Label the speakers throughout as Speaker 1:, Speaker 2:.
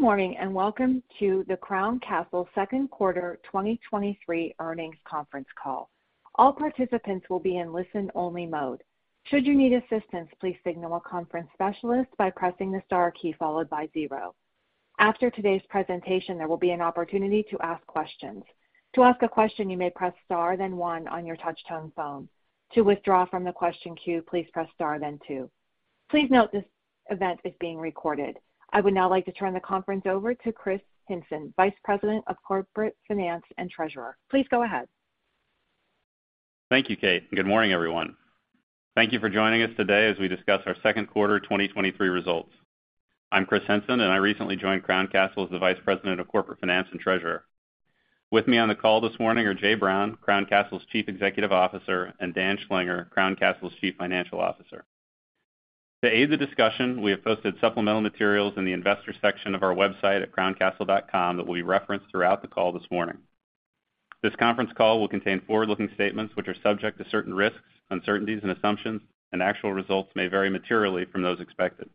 Speaker 1: Good morning, welcome to the Crown Castle second quarter 2023 earnings conference call. All participants will be in listen-only mode. Should you need assistance, please signal a conference specialist by pressing the star key followed by zero. After today's presentation, there will be an opportunity to ask questions. To ask a question, you may press star, then one on your touchtone phone. To withdraw from the question queue, please press star, then two. Please note, this event is being recorded. I would now like to turn the conference over to Kris Hinson, Vice President of Corporate Finance and Treasurer. Please go ahead.
Speaker 2: Thank you, Kate. Good morning, everyone. Thank you for joining us today as we discuss our 2nd quarter 2023 results. I'm Kris Hinson, I recently joined Crown Castle as the Vice President of Corporate Finance and Treasurer. With me on the call this morning are Jay Brown, Crown Castle's Chief Executive Officer, Dan Schlanger, Crown Castle's Chief Financial Officer. To aid the discussion, we have posted supplemental materials in the Investors section of our website at crowncastle.com that will be referenced throughout the call this morning. This conference call will contain forward-looking statements, which are subject to certain risks, uncertainties, and assumptions, actual results may vary materially from those expected.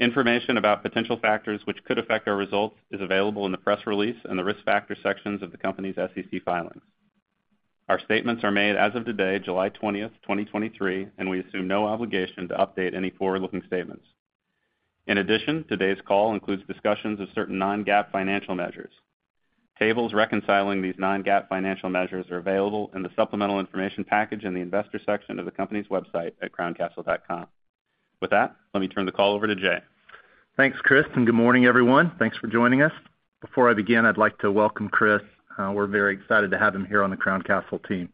Speaker 2: Information about potential factors which could affect our results is available in the press release and the Risk Factors sections of the company's SEC filings. Our statements are made as of today, July 20th, 2023, and we assume no obligation to update any forward-looking statements. In addition, today's call includes discussions of certain non-GAAP financial measures. Tables reconciling these non-GAAP financial measures are available in the Supplemental Information package in the investor section of the company's website at crowncastle.com. With that, let me turn the call over to Jay.
Speaker 3: Thanks, Kris, good morning, everyone. Thanks for joining us. Before I begin, I'd like to welcome Kris. We're very excited to have him here on the Crown Castle team.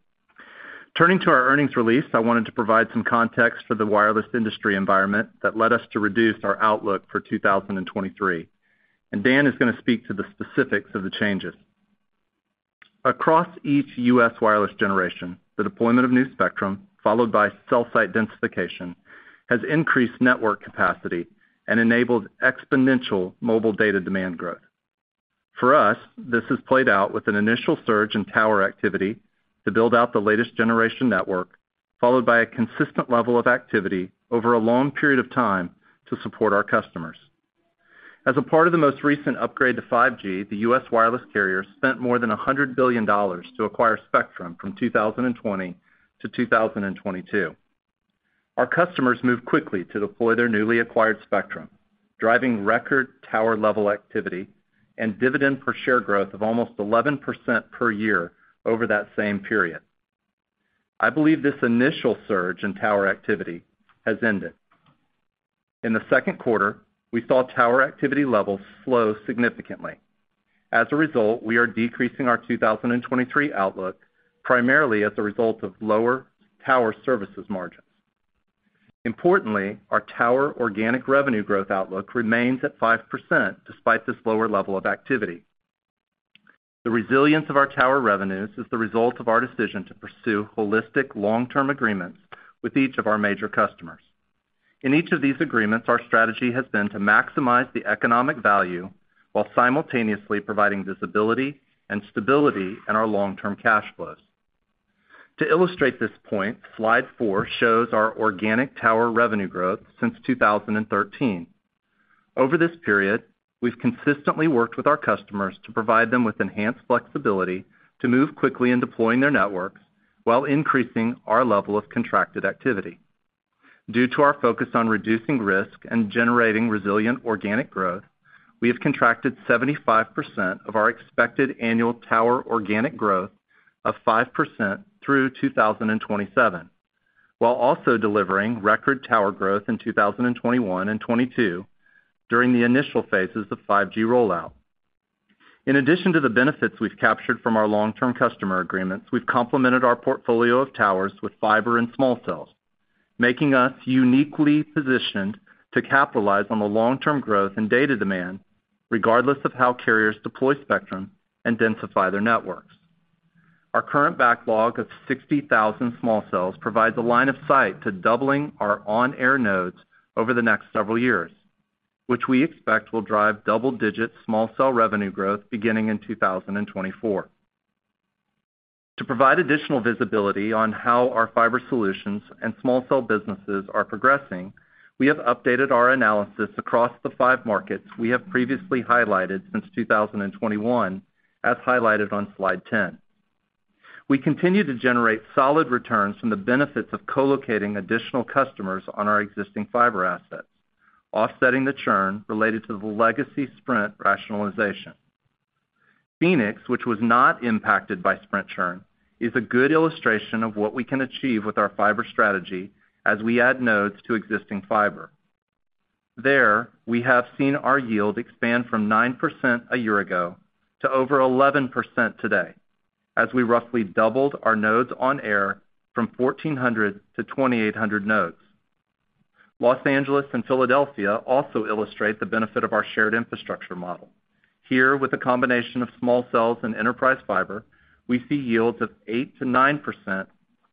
Speaker 3: Turning to our earnings release, I wanted to provide some context for the wireless industry environment that led us to reduce our outlook for 2023, and Dan is going to speak to the specifics of the changes. Across each U.S. wireless generation, the deployment of new spectrum, followed by cell site densification, has increased network capacity and enabled exponential mobile data demand growth. For us, this has played out with an initial surge in tower activity to build out the latest generation network, followed by a consistent level of activity over a long period of time to support our customers. As a part of the most recent upgrade to 5G, the U.S. wireless carrier spent more than $100 billion to acquire spectrum from 2020 to 2022. Our customers moved quickly to deploy their newly acquired spectrum, driving record tower-level activity and dividend per share growth of almost 11% per year over that same period. I believe this initial surge in tower activity has ended. In the second quarter, we saw tower activity levels slow significantly. We are decreasing our 2023 outlook, primarily as a result of lower tower services margins. Importantly, our tower organic revenue growth outlook remains at 5% despite this lower level of activity. The resilience of our tower revenues is the result of our decision to pursue holistic, long-term agreements with each of our major customers. In each of these agreements, our strategy has been to maximize the economic value while simultaneously providing visibility and stability in our long-term cash flows. To illustrate this point, Slide 4 shows our organic tower revenue growth since 2013. Over this period, we've consistently worked with our customers to provide them with enhanced flexibility to move quickly in deploying their networks while increasing our level of contracted activity. Due to our focus on reducing risk and generating resilient organic growth, we have contracted 75% of our expected annual tower organic growth of 5% through 2027, while also delivering record tower growth in 2021 and 2022 during the initial phases of 5G rollout. In addition to the benefits we've captured from our long-term customer agreements, we've complemented our portfolio of towers with fiber and small cells, making us uniquely positioned to capitalize on the long-term growth and data demand, regardless of how carriers deploy spectrum and densify their networks. Our current backlog of 60,000 small cells provides a line of sight to doubling our on-air nodes over the next several years, which we expect will drive double-digit small cell revenue growth beginning in 2024. To provide additional visibility on how our fiber solutions and small cell businesses are progressing, we have updated our analysis across the five markets we have previously highlighted since 2021, as highlighted on Slide 10. We continue to generate solid returns from the benefits of co-locating additional customers on our existing fiber assets, offsetting the churn related to the legacy Sprint rationalization. Phoenix, which was not impacted by Sprint churn, is a good illustration of what we can achieve with our fiber strategy as we add nodes to existing fiber. There, we have seen our yield expand from 9% a year ago to over 11% today, as we roughly doubled our nodes on air from 1,400 to 2,800 nodes. Los Angeles and Philadelphia also illustrate the benefit of our shared infrastructure model. Here, with a combination of small cells and enterprise fiber, we see yields of 8%-9%,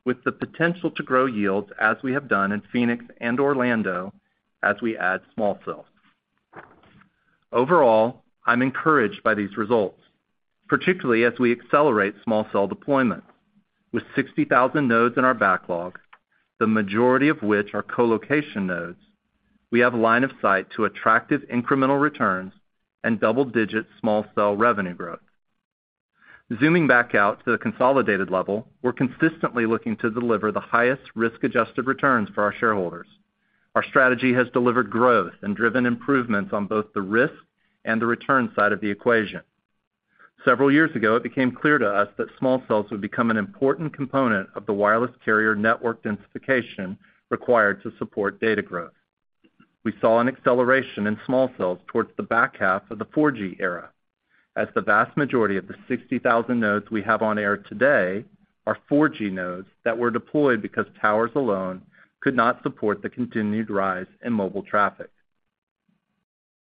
Speaker 3: with the potential to grow yields as we have done in Phoenix and Orlando as we add small cells. Overall, I'm encouraged by these results, particularly as we accelerate small cell deployment. with 60,000 nodes in our backlog, the majority of which are co-location nodes, we have line of sight to attractive incremental returns and double-digit small cell revenue growth. Zooming back out to the consolidated level, we're consistently looking to deliver the highest risk-adjusted returns for our shareholders. Our strategy has delivered growth and driven improvements on both the risk and the return side of the equation. Several years ago, it became clear to us that small cells would become an important component of the wireless carrier network densification required to support data growth. We saw an acceleration in small cells towards the back half of the 4G era, as the vast majority of the 60,000 nodes we have on air today are 4G nodes that were deployed because towers alone could not support the continued rise in mobile traffic.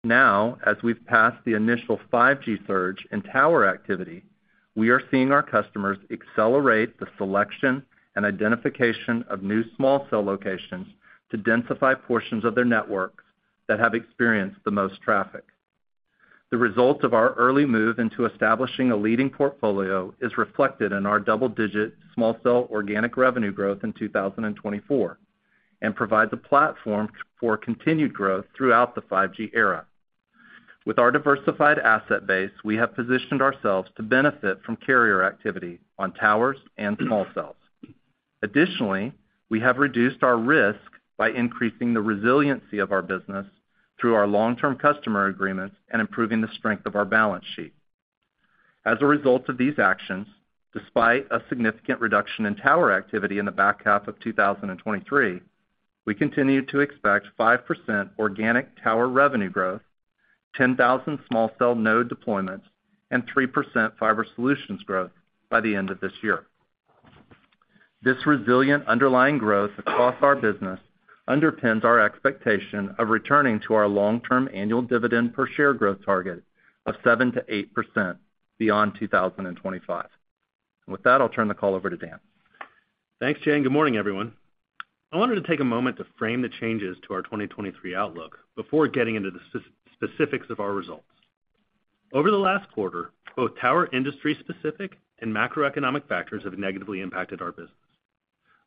Speaker 3: Now, as we've passed the initial 5G surge in tower activity, we are seeing our customers accelerate the selection and identification of new small cell locations to densify portions of their networks that have experienced the most traffic. The result of our early move into establishing a leading portfolio is reflected in our double-digit small cell organic revenue growth in 2024, and provides a platform for continued growth throughout the 5G era. With our diversified asset base, we have positioned ourselves to benefit from carrier activity on towers and small cells. Additionally, we have reduced our risk by increasing the resiliency of our business through our long-term customer agreements and improving the strength of our balance sheet. As a result of these actions, despite a significant reduction in tower activity in the back half of 2023, we continue to expect 5% organic tower revenue growth, 10,000 small cell node deployments, and 3% fiber solutions growth by the end of this year. This resilient underlying growth across our business underpins our expectation of returning to our long-term annual dividend per share growth target of 7%-8% beyond 2025. With that, I'll turn the call over to Dan.
Speaker 4: Thanks, Jay. Good morning, everyone. I wanted to take a moment to frame the changes to our 2023 outlook before getting into the specifics of our results. Over the last quarter, both tower industry-specific and macroeconomic factors have negatively impacted our business.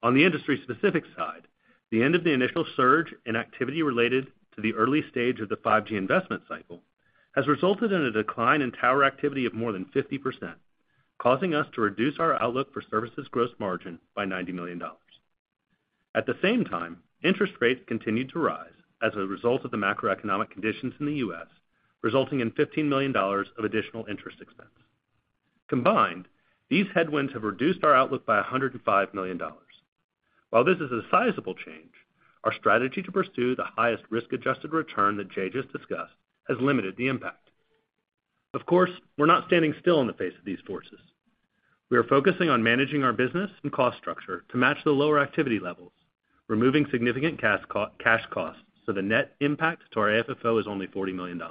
Speaker 4: On the industry-specific side, the end of the initial surge in activity related to the early stage of the 5G investment cycle has resulted in a decline in tower activity of more than 50%, causing us to reduce our outlook for services gross margin by $90 million. At the same time, interest rates continued to rise as a result of the macroeconomic conditions in the U.S., resulting in $15 million of additional interest expense. Combined, these headwinds have reduced our outlook by $105 million. While this is a sizable change, our strategy to pursue the highest risk-adjusted return that Jay just discussed has limited the impact. Of course, we're not standing still in the face of these forces. We are focusing on managing our business and cost structure to match the lower activity levels, removing significant cash costs, so the net impact to our AFFO is only $40 million.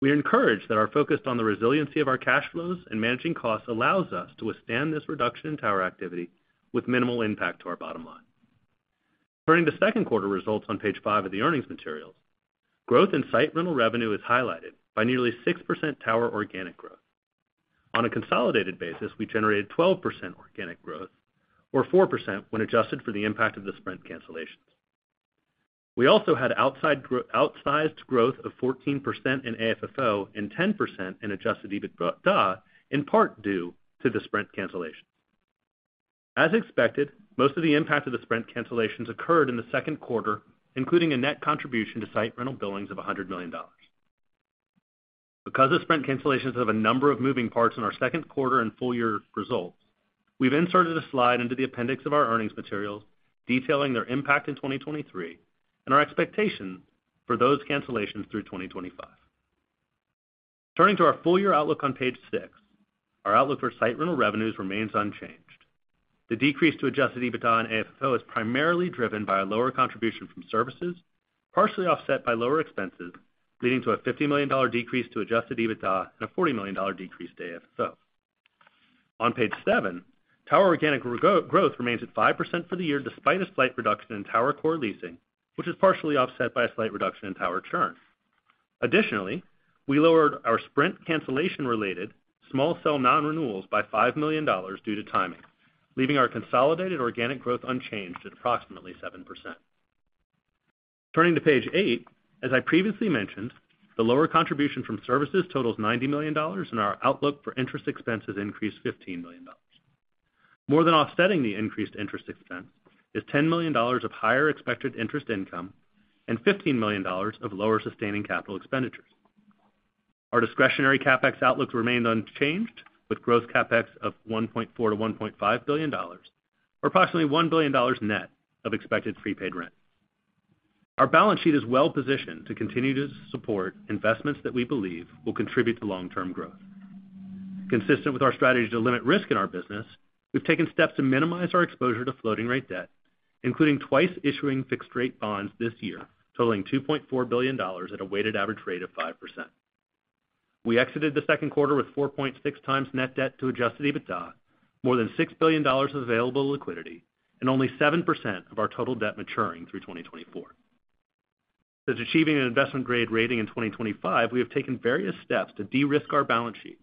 Speaker 4: We are encouraged that our focus on the resiliency of our cash flows and managing costs allows us to withstand this reduction in tower activity with minimal impact to our bottom line. Turning to second quarter results on page 5 of the earnings materials, growth in site rental revenues is highlighted by nearly 6% tower organic growth. On a consolidated basis, we generated 12% organic growth, or 4% when adjusted for the impact of the Sprint cancellations. We also had outsized growth of 14% in AFFO and 10% in Adjusted EBITDA, in part due to the Sprint cancellations. As expected, most of the impact of the Sprint cancellations occurred in the second quarter, including a net contribution to site rental billings of $100 million. Because the Sprint cancellations have a number of moving parts in our second quarter and full year results, we've inserted a slide into the appendix of our earnings materials, detailing their impact in 2023 and our expectations for those cancellations through 2025. Turning to our full year outlook on page 6, our outlook for site rental revenues remains unchanged. The decrease to Adjusted EBITDA and AFFO is primarily driven by a lower contribution from services, partially offset by lower expenses, leading to a $50 million decrease to Adjusted EBITDA and a $40 million decrease to AFFO. On page 7, tower organic growth remains at 5% for the year, despite a slight reduction in tower core leasing, which is partially offset by a slight reduction in tower churn. We lowered our Sprint cancellation-related small cell non-renewals by $5 million due to timing, leaving our consolidated organic growth unchanged at approximately 7%. Turning to page 8, as I previously mentioned, the lower contribution from services totals $90 million, and our outlook for interest expense has increased $15 million. More than offsetting the increased interest expense is $10 million of higher expected interest income and $15 million of lower sustaining capital expenditures. Our discretionary CapEx outlook remained unchanged, with gross CapEx of $1.4 billion-$1.5 billion, or approximately $1 billion net of expected prepaid rent. Our balance sheet is well positioned to continue to support investments that we believe will contribute to long-term growth. Consistent with our strategy to limit risk in our business, we've taken steps to minimize our exposure to floating rate debt, including twice issuing fixed rate bonds this year, totaling $2.4 billion at a weighted average rate of 5%. We exited the second quarter with 4.6x net debt to Adjusted EBITDA, more than $6 billion of available liquidity, and only 7% of our total debt maturing through 2024 achieving an investment grade rating in 2025, we have taken various steps to de-risk our balance sheet,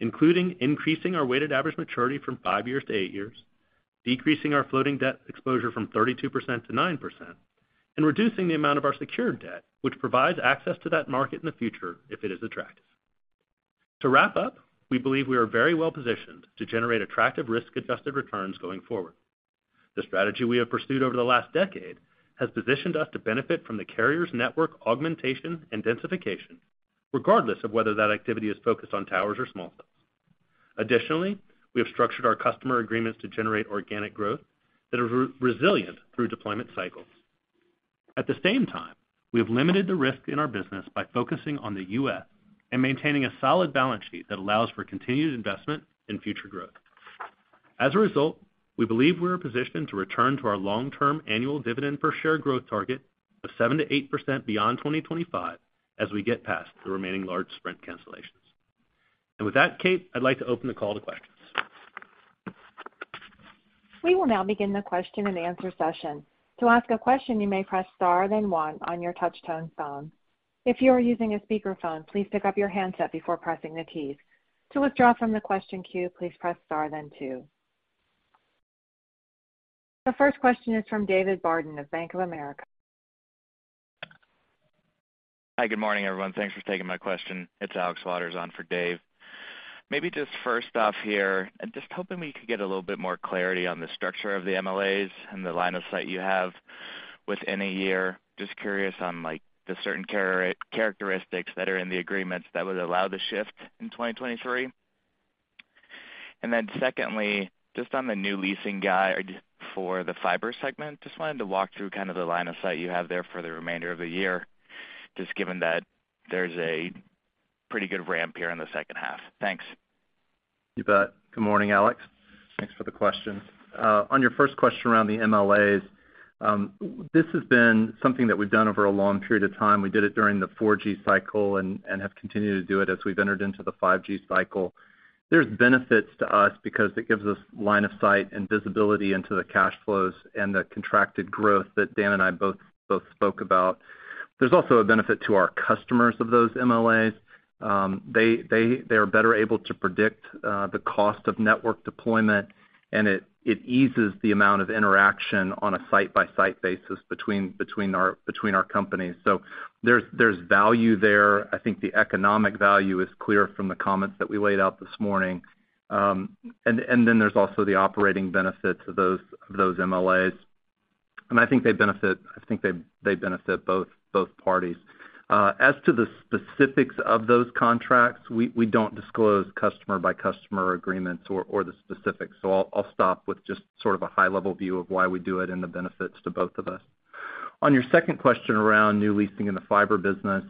Speaker 4: including increasing our weighted average maturity from five years to eight years, decreasing our floating debt exposure from 32% to 9%, and reducing the amount of our secured debt, which provides access to that market in the future if it is attractive. To wrap up, we believe we are very well positioned to generate attractive risk-adjusted returns going forward. The strategy we have pursued over the last decade has positioned us to benefit from the carrier's network augmentation and densification, regardless of whether that activity is focused on towers or small cells. Additionally, we have structured our customer agreements to generate organic growth that are resilient through deployment cycles. At the same time, we have limited the risk in our business by focusing on the U.S. and maintaining a solid balance sheet that allows for continued investment in future growth. As a result, we believe we are positioned to return to our long-term annual dividend per share growth target of 7% to 8% beyond 2025, as we get past the remaining large Sprint cancellations. With that, Kate, I'd like to open the call to questions.
Speaker 1: We will now begin the question and answer session. To ask a question, you may press star, then one on your touch-tone phone. If you are using a speakerphone, please pick up your handset before pressing the keys. To withdraw from the question queue, please press star then two. The first question is from David Barden of Bank of America.
Speaker 5: Hi, good morning, everyone. Thanks for taking my question. It's Alex Waters on for Dave. Just first off here, I'm just hoping we could get a little bit more clarity on the structure of the MLAs and the line of sight you have within a year. Just curious on, like, the certain characteristics that are in the agreements that would allow the shift in 2023. Secondly, just on the new leasing guide for the fiber segment, just wanted to walk through kind of the line of sight you have there for the remainder of the year, just given that there's a pretty good ramp here in the second half. Thanks.
Speaker 3: You bet. Good morning, Alex. Thanks for the question. On your first question around the MLAs, this has been something that we've done over a long period of time. We did it during the 4G cycle and have continued to do it as we've entered into the 5G cycle. There's benefits to us because it gives us line of sight and visibility into the cash flows and the contracted growth that Dan and I both spoke about. There's also a benefit to our customers of those MLAs. They are better able to predict the cost of network deployment, and it eases the amount of interaction on a site-by-site basis between our companies. There's value there. I think the economic value is clear from the comments that we laid out this morning. Then there's also the operating benefits of those MLAs, and I think they benefit both parties. As to the specifics of those contracts, we don't disclose customer-by-customer agreements or the specifics, so I'll stop with just sort of a high-level view of why we do it and the benefits to both of us. On your second question around new leasing in the fiber business,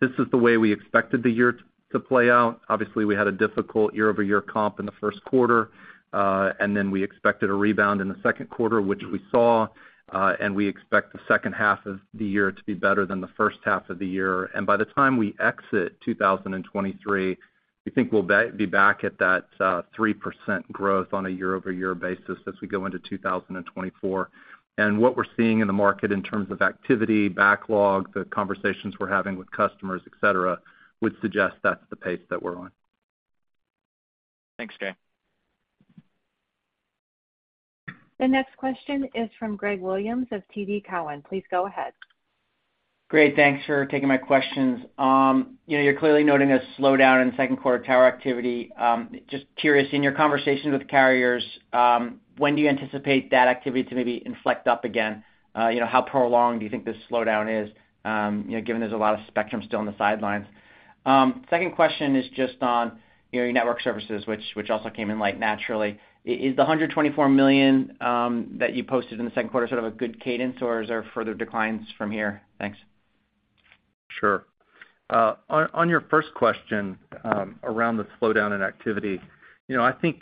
Speaker 3: this is the way we expected the year to play out. Obviously, we had a difficult year-over-year comp in the first quarter, and then we expected a rebound in the second quarter, which we saw, and we expect the second half of the year to be better than the first half of the year. By the time we exit 2023, we think we'll be back at that 3% growth on a year-over-year basis as we go into 2024. What we're seeing in the market in terms of activity, backlog, the conversations we're having with customers, et cetera, would suggest that's the pace that we're on.
Speaker 5: Thanks, Jay.
Speaker 1: The next question is from Greg Williams of TD Cowen. Please go ahead.
Speaker 6: Great, thanks for taking my questions. You know, you're clearly noting a slowdown in second quarter tower activity. Just curious, in your conversations with carriers, when do you anticipate that activity to maybe inflect up again? You know, how prolonged do you think this slowdown is, you know, given there's a lot of spectrum still on the sidelines? Second question is just on, you know, your network services, which also came in, like, naturally. Is the $124 million that you posted in the second quarter sort of a good cadence, or is there further declines from here? Thanks.
Speaker 3: Sure. On your first question, around the slowdown in activity. You know, I think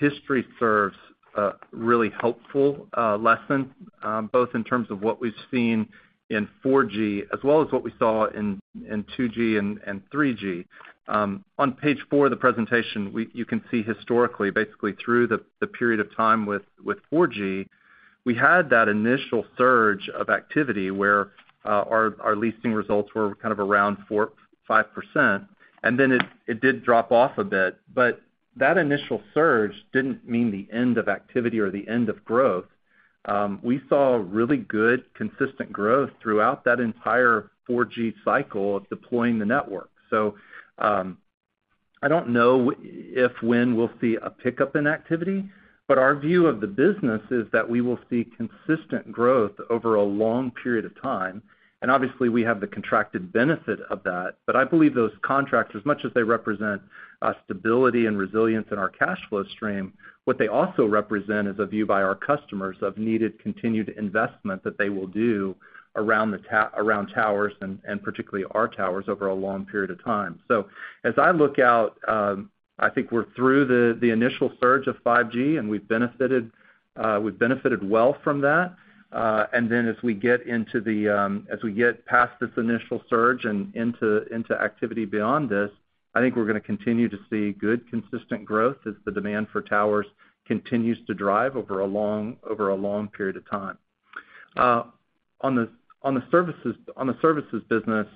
Speaker 3: history serves a really helpful lesson, both in terms of what we've seen in 4G as well as what we saw in 2G and 3G. On page 4 of the presentation, you can see historically, basically through the period of time with 4G, we had that initial surge of activity where our leasing results were kind of around 4%, 5%, and then it did drop off a bit. That initial surge didn't mean the end of activity or the end of growth. We saw really good, consistent growth throughout that entire 4G cycle of deploying the network. I don't know if, when we'll see a pickup in activity, but our view of the business is that we will see consistent growth over a long period of time, and obviously, we have the contracted benefit of that. I believe those contracts, as much as they represent stability and resilience in our cash flow stream, what they also represent is a view by our customers of needed continued investment that they will do around towers, and particularly our towers, over a long period of time. As I look out, I think we're through the initial surge of 5G, and we've benefited well from that. As we get into the as we get past this initial surge and into activity beyond this. I think we're going to continue to see good, consistent growth as the demand for towers continues to drive over a long, over a long period of time. On the services business,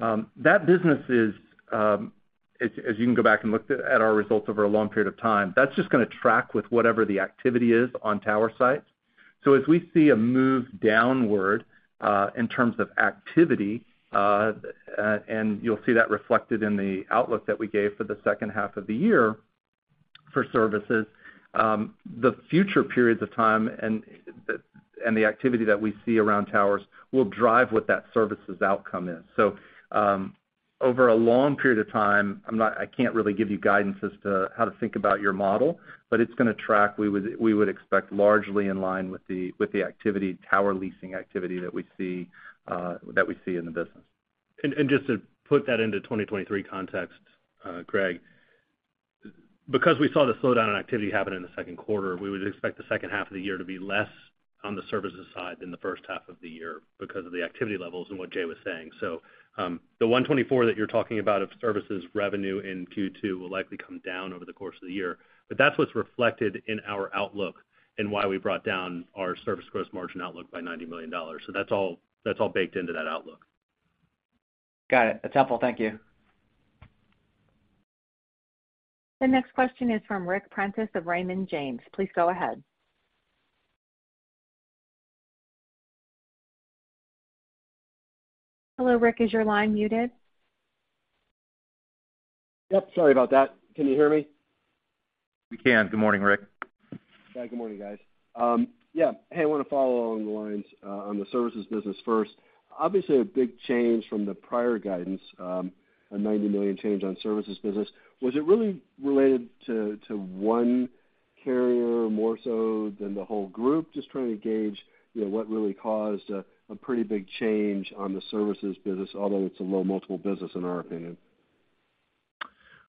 Speaker 3: that business is, as you can go back and look at our results over a long period of time, that's just going to track with whatever the activity is on tower sites. As we see a move downward in terms of activity, and you'll see that reflected in the outlook that we gave for the second half of the year for services, the future periods of time and the activity that we see around towers will drive what that services outcome is. Over a long period of time, I can't really give you guidance as to how to think about your model, but it's going to track, we would expect, largely in line with the activity, tower leasing activity that we see in the business.
Speaker 4: Just to put that into 2023 context, Greg, because we saw the slowdown in activity happen in the second quarter, we would expect the second half of the year to be less on the services side than the first half of the year because of the activity levels and what Jay was saying. The 124 that you're talking about of services revenue in Q2 will likely come down over the course of the year. That's what's reflected in our outlook and why we brought down our service gross margin outlook by $90 million. That's all, that's all baked into that outlook.
Speaker 6: Got it. That's helpful. Thank you.
Speaker 1: The next question is from Ric Prentiss of Raymond James. Please go ahead. Hello, Ric, is your line muted?
Speaker 7: Yep. Sorry about that. Can you hear me?
Speaker 3: We can. Good morning, Ric.
Speaker 7: Good morning, guys. Hey, I want to follow along the lines on the services business first. Obviously, a big change from the prior guidance, a $90 million change on services business. Was it really related to one carrier more so than the whole group? Just trying to gauge, you know, what really caused a pretty big change on the services business, although it's a low multiple business, in our opinion.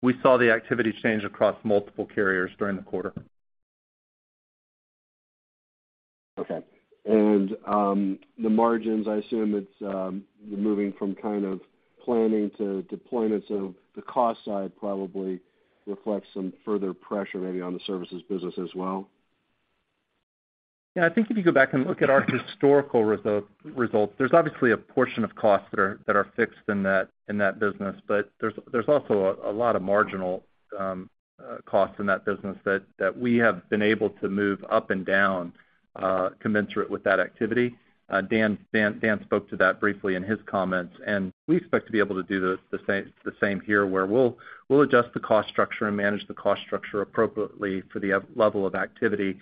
Speaker 3: We saw the activity change across multiple carriers during the quarter.
Speaker 7: Okay. The margins, I assume it's moving from kind of planning to deployment, so the cost side probably reflects some further pressure maybe on the services business as well.
Speaker 3: I think if you go back and look at our historical results, there's obviously a portion of costs that are fixed in that business, but there's also a lot of marginal costs in that business that we have been able to move up and down commensurate with that activity. Dan spoke to that briefly in his comments, and we expect to be able to do the same here, where we'll adjust the cost structure and manage the cost structure appropriately for the level of activity.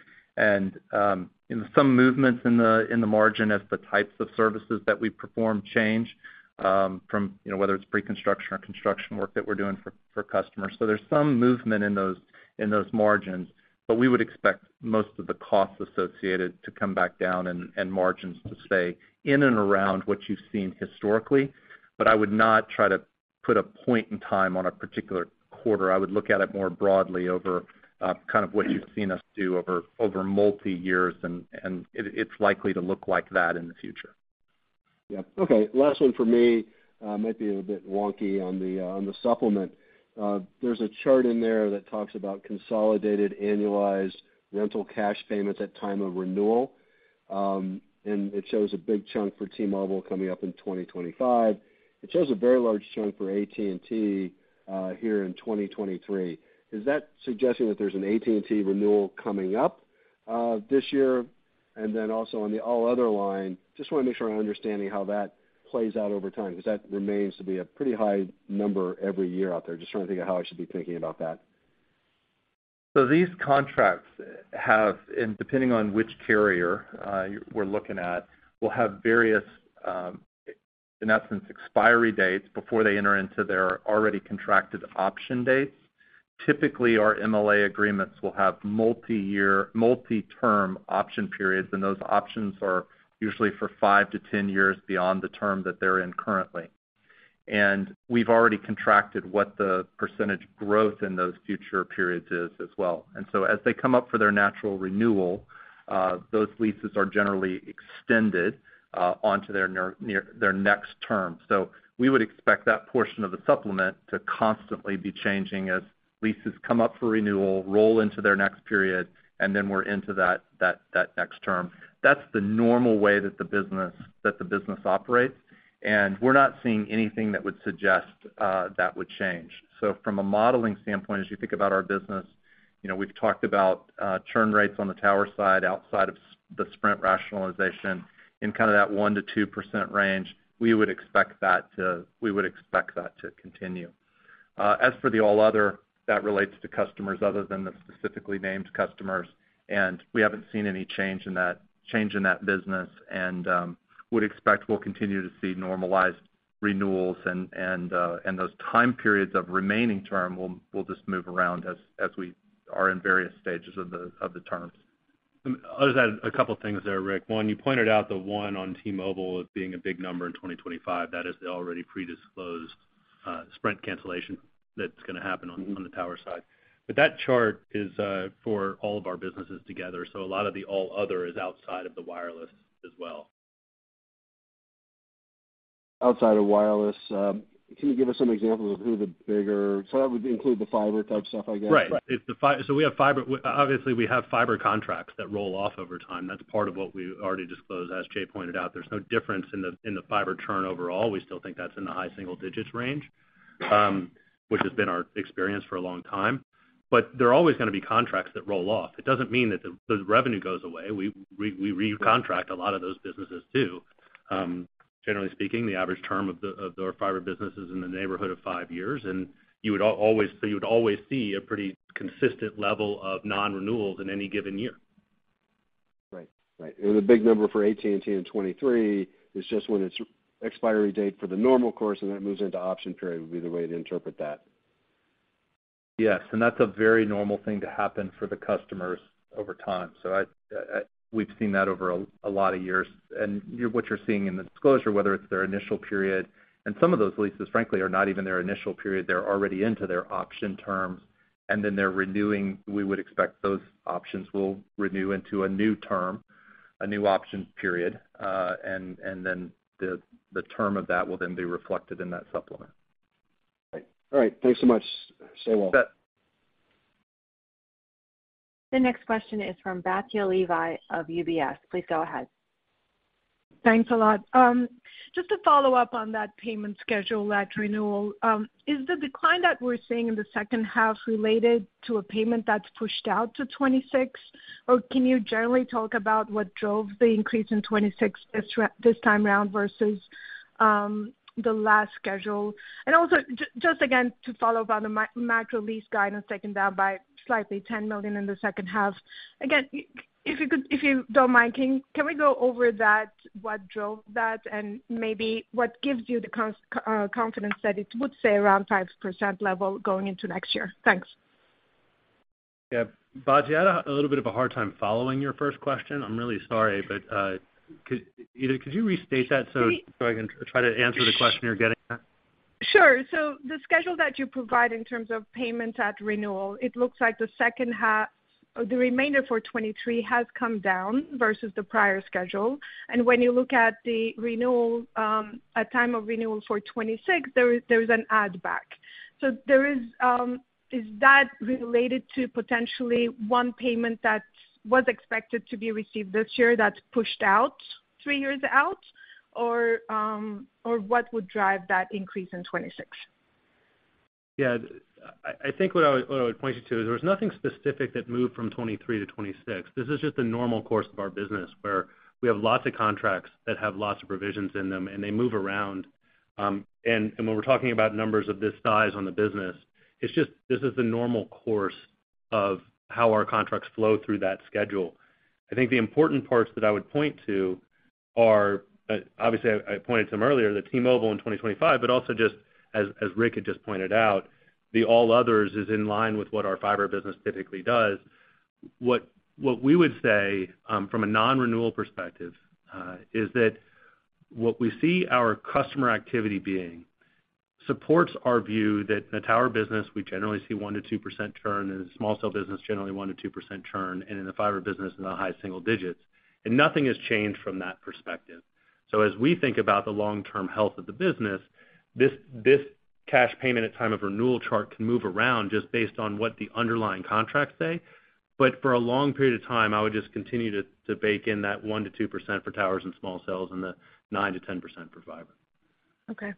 Speaker 3: In some movements in the margin, as the types of services that we perform change, from, you know, whether it's pre-construction or construction work that we're doing for customers. There's some movement in those margins, we would expect most of the costs associated to come back down and margins to stay in and around what you've seen historically. I would not try to put a point in time on a particular quarter. I would look at it more broadly over kind of what you've seen us do over multi years, and it's likely to look like that in the future.
Speaker 7: Yeah. Okay, last one for me. Might be a bit wonky on the, on the supplement. There's a chart in there that talks about consolidated annualized rental cash payments at time of renewal, and it shows a big chunk for T-Mobile coming up in 2025. It shows a very large chunk for AT&T, here in 2023. Is that suggesting that there's an AT&T renewal coming up, this year? Also on the all other line, just want to make sure I'm understanding how that plays out over time, because that remains to be a pretty high number every year out there. Just trying to think of how I should be thinking about that.
Speaker 3: These contracts have, and depending on which carrier, we're looking at, will have various, in essence, expiry dates before they enter into their already contracted option dates. Typically, our MLA agreements will have multi-term option periods, and those options are usually for five to 10 years beyond the term that they're in currently. We've already contracted what the percentage growth in those future periods is as well. As they come up for their natural renewal, those leases are generally extended onto their next term. We would expect that portion of the supplement to constantly be changing as leases come up for renewal, roll into their next period, and then we're into that next term. That's the normal way that the business operates. We're not seeing anything that would suggest that would change. From a modeling standpoint, as you think about our business, you know, we've talked about churn rates on the tower side outside of the Sprint rationalization in kind of that 1%-2% range. We would expect that to continue. As for the all other, that relates to customers other than the specifically named customers, we haven't seen any change in that business, would expect we'll continue to see normalized renewals and those time periods of remaining term will just move around as we are in various stages of the terms.
Speaker 4: I'll just add a couple things there, Ric. One, you pointed out the one on T-Mobile as being a big number in 2025. That is the already pre-disclosed Sprint cancellation that's going to happen on the tower side. That chart is for all of our businesses together, so a lot of the all other is outside of the wireless as well.
Speaker 7: Outside of wireless, can you give us some examples of who the bigger, so that would include the fiber type stuff, I guess?
Speaker 4: Right. If so we have fiber, obviously, we have fiber contracts that roll off over time. That's part of what we already disclosed. As Jay pointed out, there's no difference in the fiber churn overall. We still think that's in the high single-digits range, which has been our experience for a long time. But there are always going to be contracts that roll off. It doesn't mean that the revenue goes away. We recontract a lot of those businesses, too. Generally speaking, the average term of our fiber business is in the neighborhood of five years, and you would always, so you would always see a pretty consistent level of non-renewals in any given year.
Speaker 7: Right. Right. The big number for AT&T in 2023 is just when it's expiry date for the normal course, and that moves into option period, would be the way to interpret that?
Speaker 3: Yes, that's a very normal thing to happen for the customers over time. We've seen that over a lot of years, and you're, what you're seeing in the disclosure, whether it's their initial period, and some of those leases, frankly, are not even their initial period. They're already into their option terms, and then they're renewing. We would expect those options will renew into a new term, a new option period, and then the term of that will then be reflected in that supplement.
Speaker 7: Right. All right, thanks so much. Well.
Speaker 3: Bet.
Speaker 1: The next question is from Batya Levi of UBS. Please go ahead.
Speaker 8: Thanks a lot. Just to follow up on that payment schedule at renewal, is the decline that we're seeing in the second half related to a payment that's pushed out to 2026? Can you generally talk about what drove the increase in 2026 this time around versus the last schedule? Also, just again, to follow up on the macro lease guidance, taken down by slightly $10 million in the second half. Again, if you don't mind, can we go over that, what drove that, and maybe what gives you the confidence that it would stay around 5% level going into next year? Thanks.
Speaker 4: Batya, I had a little bit of a hard time following your first question. I'm really sorry, could you restate that so I can try to answer the question you're getting at?
Speaker 8: Sure. The schedule that you provide in terms of payments at renewal, it looks like the second half, or the remainder for 2023 has come down versus the prior schedule. When you look at the renewal, at time of renewal for 2026, there is an add back. There is that related to potentially one payment that was expected to be received this year that's pushed out, three years out? Or what would drive that increase in 2026?
Speaker 4: Yeah, I think what I would point you to is there was nothing specific that moved from 2023 to 2026. This is just the normal course of our business, where we have lots of contracts that have lots of provisions in them, and they move around. When we're talking about numbers of this size on the business, it's just, this is the normal course of how our contracts flow through that schedule. I think the important parts that I would point to are, obviously, I pointed to them earlier, the T-Mobile in 2025, but also just as Ric had just pointed out, the all others is in line with what our fiber business typically does. What we would say from a non-renewal perspective is that what we see our customer activity being supports our view that the tower business, we generally see 1%-2% churn, and the small cell business, generally 1%-2% churn, and in the fiber business in the high single digits. Nothing has changed from that perspective. As we think about the long-term health of the business, this cash payment at time of renewal chart can move around just based on what the underlying contracts say. For a long period of time, I would just continue to bake in that 1%-2% for towers and small cells and the 9%-10% for fiber.
Speaker 8: Okay.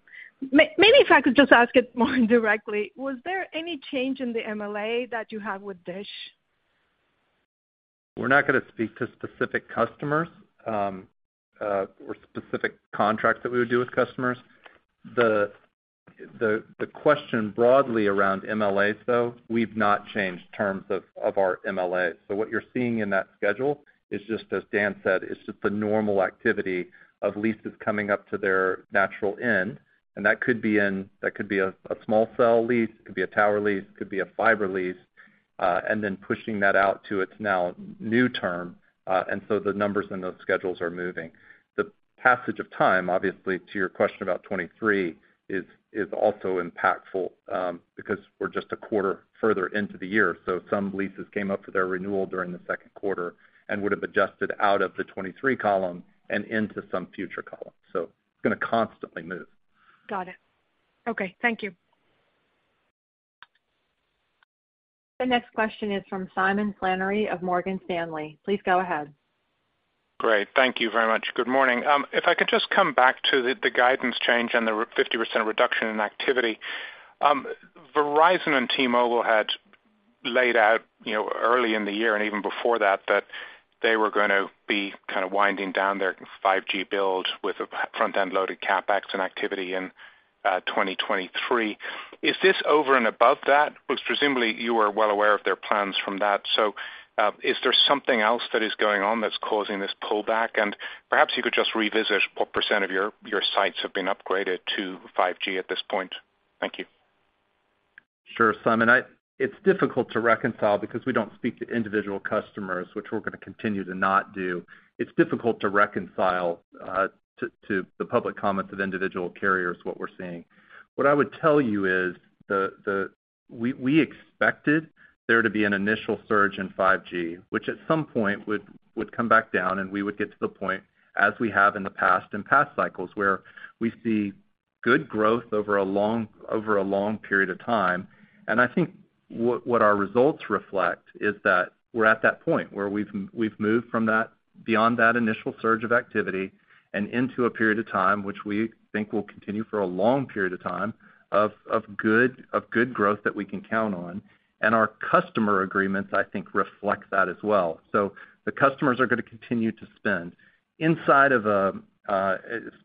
Speaker 8: maybe if I could just ask it more directly, was there any change in the MLA that you have with Dish?
Speaker 3: We're not going to speak to specific customers or specific contracts that we would do with customers. The question broadly around MLAs, though, we've not changed terms of our MLA. What you're seeing in that schedule is just as Dan said, it's just the normal activity of leases coming up to their natural end, and that could be a small cell lease, it could be a tower lease, it could be a fiber lease, and then pushing that out to its now new term. The numbers in those schedules are moving. The passage of time, obviously, to your question about 2023, is also impactful because we're just a quarter further into the year. Some leases came up for their renewal during the second quarter and would have adjusted out of the 23 column and into some future column. It's going to constantly move.
Speaker 8: Got it. Okay, thank you.
Speaker 1: The next question is from Simon Flannery of Morgan Stanley. Please go ahead.
Speaker 9: Great. Thank you very much. Good morning. If I could just come back to the guidance change and the 50% reduction in activity. Verizon and T-Mobile had laid out, you know, early in the year and even before that they were going to be kind of winding down their 5G build with a front-end loaded CapEx and activity in 2023. Is this over and above that? Because presumably, you are well aware of their plans from that. Is there something else that is going on that's causing this pullback? Perhaps you could just revisit what % of your sites have been upgraded to 5G at this point. Thank you.
Speaker 3: Sure, Simon. It's difficult to reconcile because we don't speak to individual customers, which we're going to continue to not do. It's difficult to reconcile to the public comments of individual carriers, what we're seeing. What I would tell you is the We expected there to be an initial surge in 5G, which at some point would come back down and we would get to the point, as we have in the past, in past cycles, where good growth over a long period of time. I think what our results reflect is that we're at that point where we've moved from that, beyond that initial surge of activity and into a period of time, which we think will continue for a long period of time, of good growth that we can count on. Our customer agreements, I think, reflect that as well. The customers are going to continue to spend. Inside of,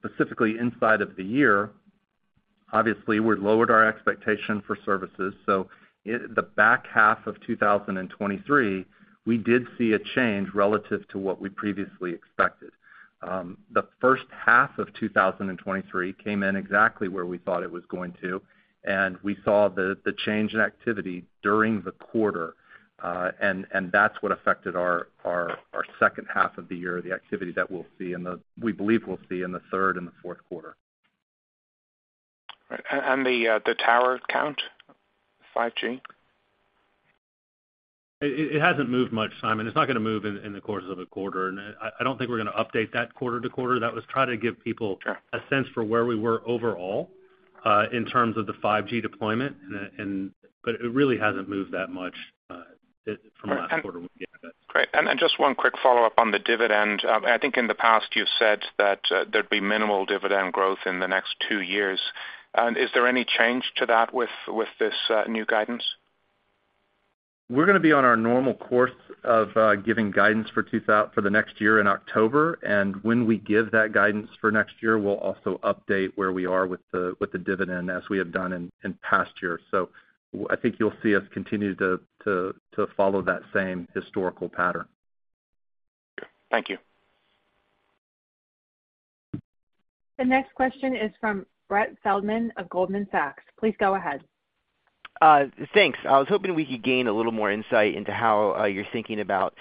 Speaker 3: specifically inside of the year, obviously, we've lowered our expectation for services. The back half of 2023, we did see a change relative to what we previously expected. The first half of 2023 came in exactly where we thought it was going to, and we saw the change in activity during the quarter, and that's what affected our second half of the year, the activity that we'll see in the we believe we'll see in the third and the fourth quarter.
Speaker 9: Right. The tower count, 5G?
Speaker 4: It hasn't moved much, Simon. It's not going to move in the course of a quarter, and I don't think we're going to update that quarter to quarter.
Speaker 9: Sure.
Speaker 4: a sense for where we were overall, in terms of the 5G deployment, but it really hasn't moved that much, from last quarter. Yeah.
Speaker 9: Great. Just one quick follow-up on the dividend. I think in the past you've said that, there'd be minimal dividend growth in the next two years. Is there any change to that with this new guidance?
Speaker 3: We're going to be on our normal course of giving guidance for the next year in October. When we give that guidance for next year, we'll also update where we are with the dividend, as we have done in past years. I think you'll see us continue to follow that same historical pattern.
Speaker 9: Thank you.
Speaker 1: The next question is from Brett Feldman of Goldman Sachs. Please go ahead.
Speaker 10: Thanks. I was hoping we could gain a little more insight into how you're thinking about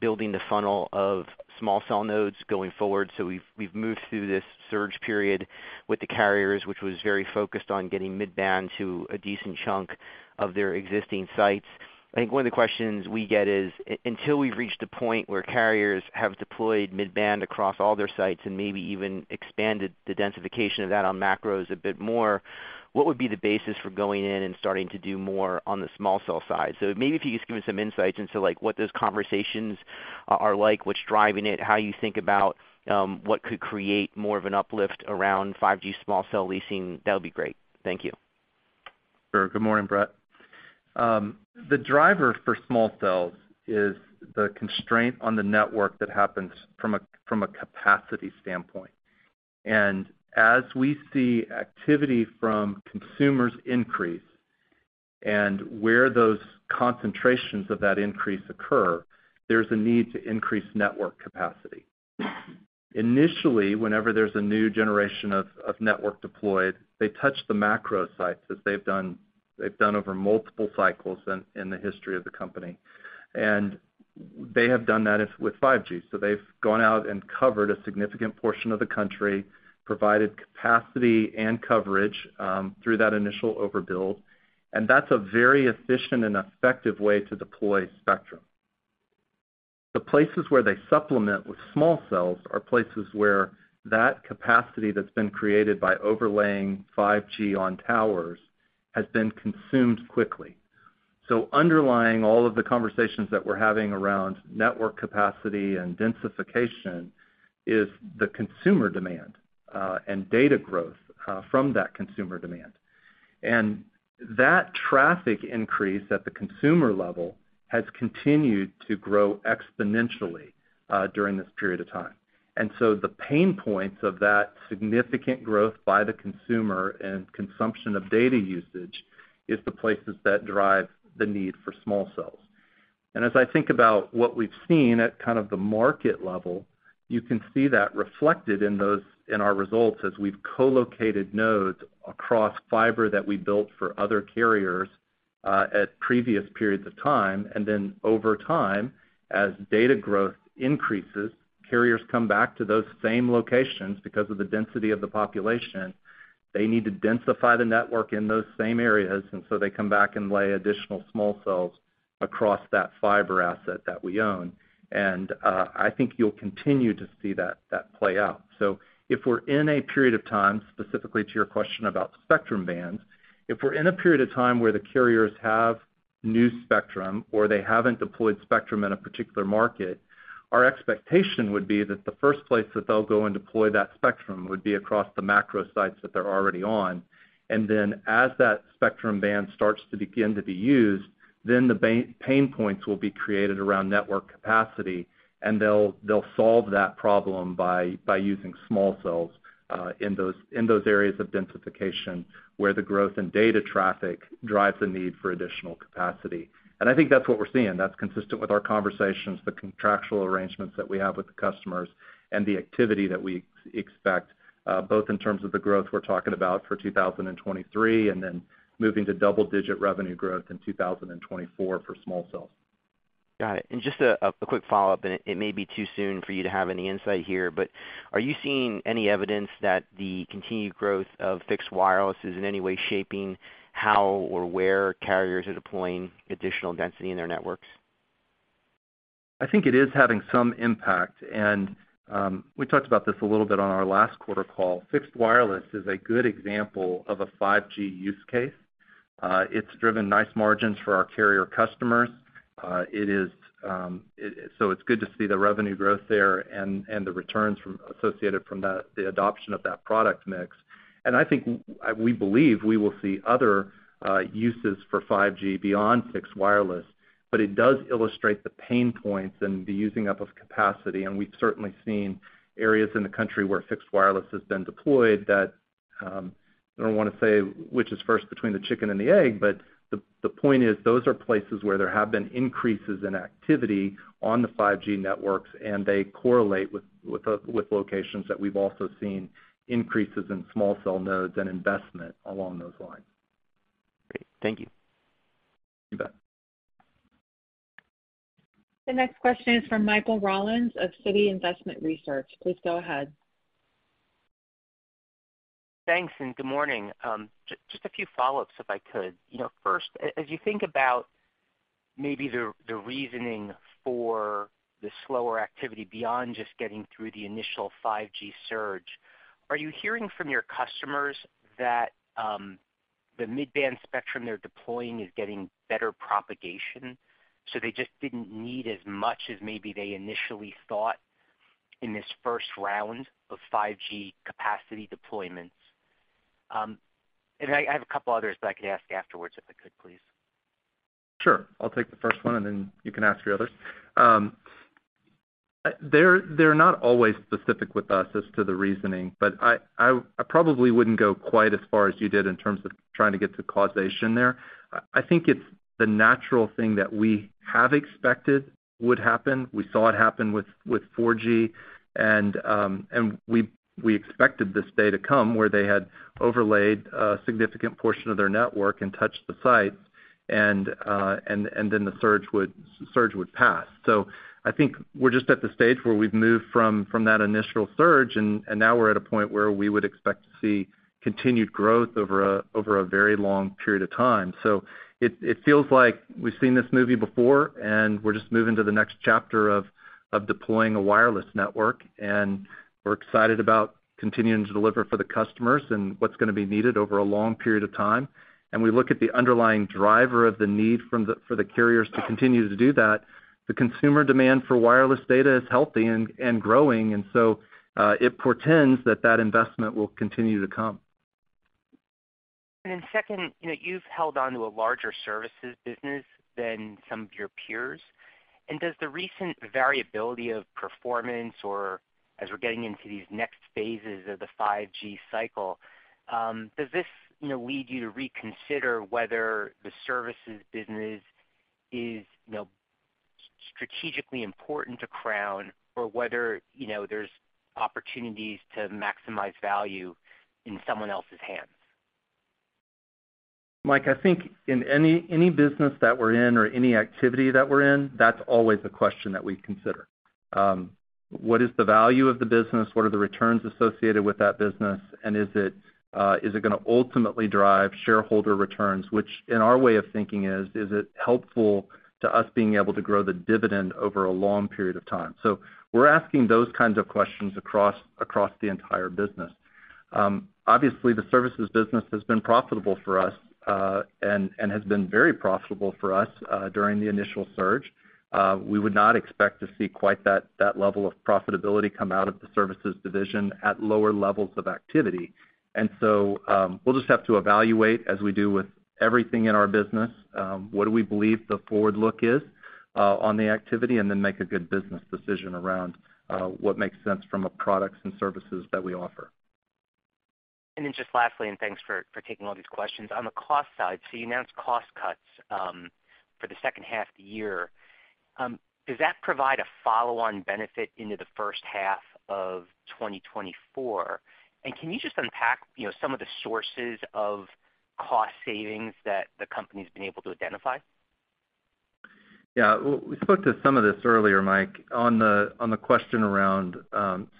Speaker 10: building the funnel of small cell nodes going forward. We've moved through this surge period with the carriers, which was very focused on getting mid-band to a decent chunk of their existing sites. I think one of the questions we get is, until we've reached a point where carriers have deployed mid-band across all their sites and maybe even expanded the densification of that on macros a bit more, what would be the basis for going in and starting to do more on the small cell side? Maybe if you could just give us some insights into, like, what those conversations are like, what's driving it, how you think about what could create more of an uplift around 5G small cell leasing, that would be great. Thank you.
Speaker 3: Sure. Good morning, Brett. The driver for small cells is the constraint on the network that happens from a capacity standpoint. As we see activity from consumers increase, and where those concentrations of that increase occur, there's a need to increase network capacity. Initially, whenever there's a new generation of network deployed, they touch the macro sites, as they've done over multiple cycles in the history of the company, and they have done that with 5G. They've gone out and covered a significant portion of the country, provided capacity and coverage, through that initial overbuild, and that's a very efficient and effective way to deploy spectrum. The places where they supplement with small cells are places where that capacity that's been created by overlaying 5G on towers has been consumed quickly. Underlying all of the conversations that we're having around network capacity and densification is the consumer demand and data growth from that consumer demand. That traffic increase at the consumer level has continued to grow exponentially during this period of time. The pain points of that significant growth by the consumer and consumption of data usage is the places that drive the need for small cells. As I think about what we've seen at kind of the market level, you can see that reflected in those, in our results as we've co-located nodes across fiber that we built for other carriers at previous periods of time. Over time, as data growth increases, carriers come back to those same locations because of the density of the population. They need to densify the network in those same areas. They come back and lay additional small cells across that fiber asset that we own. I think you'll continue to see that play out. If we're in a period of time, specifically to your question about spectrum bands, if we're in a period of time where the carriers have new spectrum or they haven't deployed spectrum in a particular market, our expectation would be that the first place that they'll go and deploy that spectrum would be across the macro sites that they're already on. As that spectrum band starts to begin to be used, then the pain points will be created around network capacity, and they'll solve that problem by using small cells in those areas of densification, where the growth in data traffic drives the need for additional capacity. I think that's what we're seeing. That's consistent with our conversations, the contractual arrangements that we have with the customers, and the activity that we expect, both in terms of the growth we're talking about for 2023, and then moving to double-digit revenue growth in 2024 for small cells.
Speaker 10: Got it. Just a quick follow-up. It may be too soon for you to have any insight here. Are you seeing any evidence that the continued growth of fixed wireless is in any way shaping how or where carriers are deploying additional density in their networks?
Speaker 3: I think it is having some impact. We talked about this a little bit on our last quarter call. Fixed wireless is a good example of a 5G use case. It's driven nice margins for our carrier customers. It is so it's good to see the revenue growth there and the returns from associated from the adoption of that product mix. I think we believe we will see other uses for 5G beyond fixed wireless, but it does illustrate the pain points and the using up of capacity. We've certainly seen areas in the country where fixed wireless has been deployed that, I don't want to say which is first between the chicken and the egg, but the point is, those are places where there have been increases in activity on the 5G networks, and they correlate with locations that we've also seen increases in small cell nodes and investment along those lines.
Speaker 10: Great. Thank you.
Speaker 3: You bet.
Speaker 1: The next question is from Michael Rollins of Citi Investment Research. Please go ahead.
Speaker 11: Thanks, and good morning. Just a few follow-ups, if I could. You know, first, as you think about maybe the reasoning for the slower activity beyond just getting through the initial 5G surge, are you hearing from your customers that, the mid-band spectrum they're deploying is getting better propagation, so they just didn't need as much as maybe they initially thought in this first round of 5G capacity deployments? I have a couple others, but I could ask you afterwards if I could, please.
Speaker 3: Sure. I'll take the first one, and then you can ask your others. They're not always specific with us as to the reasoning, but I probably wouldn't go quite as far as you did in terms of trying to get to causation there. I think it's the natural thing that we have expected would happen. We saw it happen with 4G, and we expected this day to come where they had overlaid a significant portion of their network and touched the sites, and then the surge would pass. I think we're just at the stage where we've moved from that initial surge, and now we're at a point where we would expect to see continued growth over a very long period of time. It, it feels like we've seen this movie before, and we're just moving to the next chapter of deploying a wireless network, and we're excited about continuing to deliver for the customers and what's going to be needed over a long period of time. We look at the underlying driver of the need for the carriers to continue to do that. The consumer demand for wireless data is healthy and growing, and so, it portends that that investment will continue to come.
Speaker 11: Second, you know, you've held on to a larger services business than some of your peers. Does the recent variability of performance, or as we're getting into these next phases of the 5G cycle, does this, you know, lead you to reconsider whether the services business is, you know, strategically important to Crown, or whether, you know, there's opportunities to maximize value in someone else's hands?
Speaker 3: Mike, I think in any business that we're in or any activity that we're in, that's always a question that we consider. What is the value of the business? What are the returns associated with that business? And is it going to ultimately drive shareholder returns, which, in our way of thinking, is it helpful to us being able to grow the dividend over a long period of time? We're asking those kinds of questions across the entire business. Obviously, the services business has been profitable for us, and has been very profitable for us during the initial surge. We would not expect to see quite that level of profitability come out of the services division at lower levels of activity. We'll just have to evaluate as we do with everything in our business, what do we believe the forward look is on the activity, and then make a good business decision around what makes sense from a products and services that we offer.
Speaker 11: Just lastly, thanks for taking all these questions. On the cost side, you announced cost cuts for the second half of the year. Does that provide a follow-on benefit into the first half of 2024? Can you just unpack, you know, some of the sources of cost savings that the company's been able to identify?
Speaker 3: Yeah. Well, we spoke to some of this earlier, Mike, on the, on the question around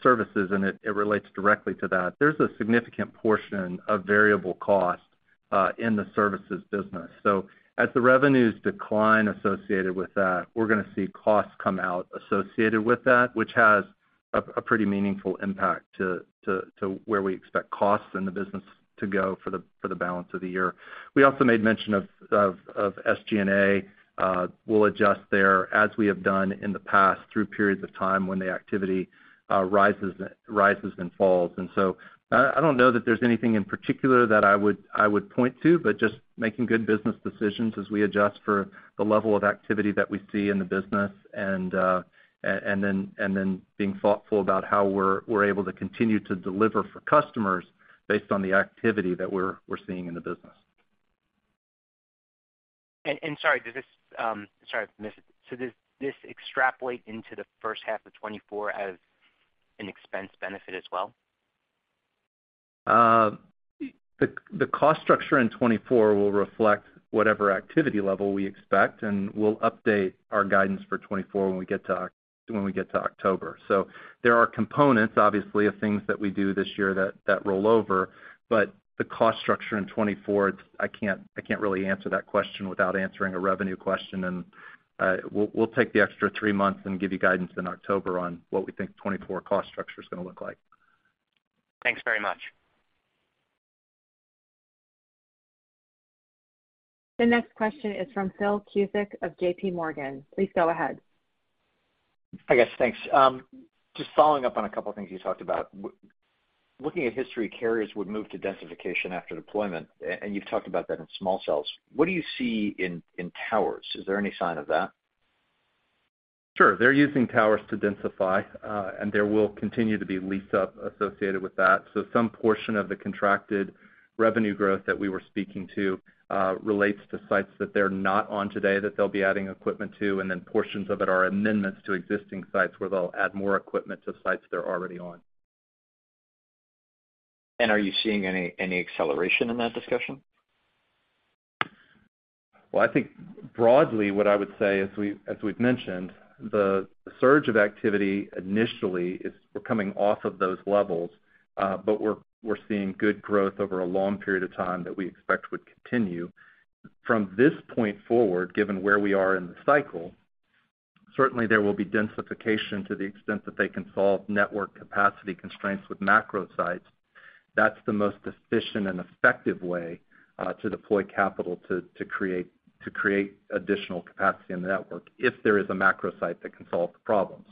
Speaker 3: services, and it relates directly to that. There's a significant portion of variable cost in the services business. As the revenues decline associated with that, we're going to see costs come out associated with that, which has a pretty meaningful impact to where we expect costs in the business to go for the balance of the year. We also made mention of SG&A. We'll adjust there, as we have done in the past, through periods of time when the activity rises and falls. I don't know that there's anything in particular that I would point to, but just making good business decisions as we adjust for the level of activity that we see in the business, and then being thoughtful about how we're able to continue to deliver for customers based on the activity that we're seeing in the business.
Speaker 11: Sorry, I missed it. Does this extrapolate into the first half of 2024 as an expense benefit as well?
Speaker 3: The cost structure in 2024 will reflect whatever activity level we expect. We'll update our guidance for 2024 when we get to October. There are components, obviously, of things that we do this year that roll over, but the cost structure in 2024, I can't really answer that question without answering a revenue question. We'll take the extra three months and give you guidance in October on what we think 2024 cost structure is going to look like.
Speaker 11: Thanks very much.
Speaker 1: The next question is from Phil Cusick of JPMorgan. Please go ahead.
Speaker 12: I guess, thanks. Just following up on a couple of things you talked about. Looking at history, carriers would move to densification after deployment, and you've talked about that in small cells. What do you see in towers? Is there any sign of that?
Speaker 3: Sure. They're using towers to densify, and there will continue to be lease up associated with that. Some portion of the contracted revenue growth that we were speaking to, relates to sites that they're not on today, that they'll be adding equipment to, and then portions of it are amendments to existing sites where they'll add more equipment to sites they're already on.
Speaker 12: Are you seeing any acceleration in that discussion?
Speaker 3: Well, I think broadly, what I would say, as we've mentioned, the surge of activity initially is we're coming off of those levels, we're seeing good growth over a long period of time that we expect would continue. From this point forward, given where we are in the cycle, certainly there will be densification to the extent that they can solve network capacity constraints with macro sites. That's the most efficient and effective way to deploy capital to create additional capacity in the network if there is a macro site that can solve the problem.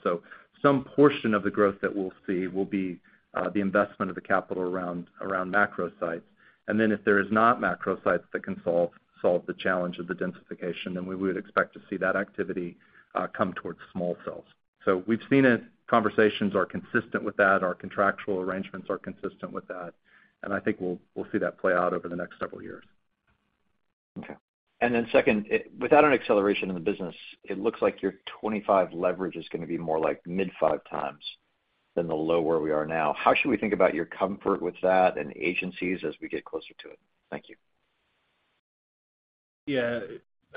Speaker 3: Some portion of the growth that we'll see will be the investment of the capital around macro sites. If there is not macro sites that can solve the challenge of the densification, then we would expect to see that activity come towards small cells. We've seen it, conversations are consistent with that, our contractual arrangements are consistent with that, and I think we'll see that play out over the next several years.
Speaker 12: Okay. Second, without an acceleration in the business, it looks like your 2025 leverage is going to be more like mid 5x than the low where we are now. How should we think about your comfort with that and agencies as we get closer to it? Thank you.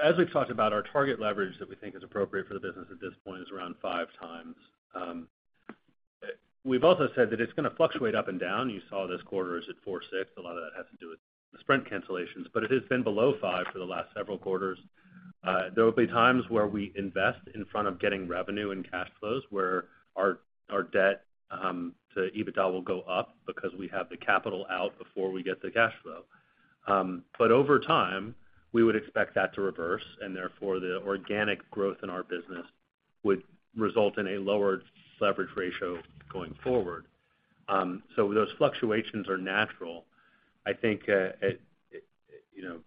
Speaker 4: As we've talked about, our target leverage that we think is appropriate for the business at this point is around 5x. We've also said that it's going to fluctuate up and down. You saw this quarter is at 4.6x, a lot of that has to do with the Sprint cancellations, but it has been below 5x for the last several quarters. There will be times where we invest in front of getting revenue and cash flows, where our debt to EBITDA will go up because we have the capital out before we get the cash flow. Over time, we would expect that to reverse, and therefore, the organic growth in our business would result in a lower leverage ratio going forward. Those fluctuations are natural. I think, it, you know,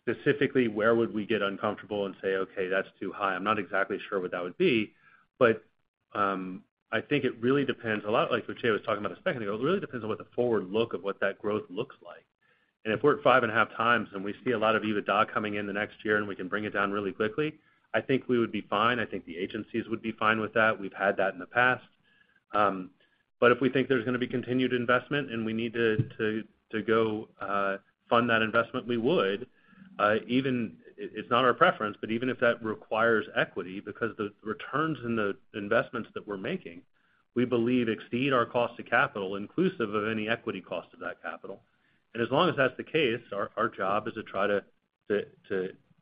Speaker 4: specifically, where would we get uncomfortable and say, "Okay, that's too high." I'm not exactly sure what that would be, but, I think it really depends a lot, like what Jay was talking about a second ago, it really depends on what the forward look of what that growth looks like. If we're at 5.5x and we see a lot of EBITDA coming in the next year and we can bring it down really quickly, I think we would be fine. I think the agencies would be fine with that. We've had that in the past. If we think there's going to be continued investment and we need to go fund that investment, we would, even it's not our preference, but even if that requires equity, because the returns in the investments that we're making, we believe exceed our cost of capital, inclusive of any equity cost of that capital. As long as that's the case, our job is to try to